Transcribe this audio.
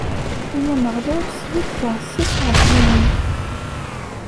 Ay Ameɣlal, sbedd taɛessast ɣef yimi-w.